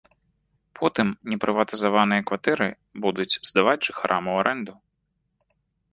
Потым непрыватызаваныя кватэры будуць здаваць жыхарам у арэнду.